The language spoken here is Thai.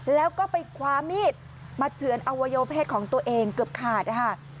แล้วก็ไปคว้ามีดมาเฉือนอวัยวเพศของตัวเองเกือบขาดนะคะ